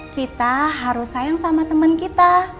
kita harus sayang sama teman kita